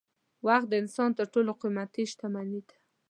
وخت د انسان تر ټولو قېمتي شتمني ده.